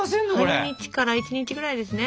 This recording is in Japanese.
半日から１日ぐらいですね。